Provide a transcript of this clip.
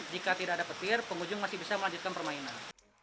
jika tidak ada petir pengunjung masih bisa melanjutkan permainan